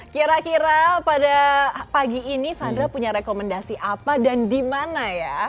kira kira pada pagi ini sandra punya rekomendasi apa dan di mana ya